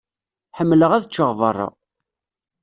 Ḥemmleɣ ad ččeɣ berra.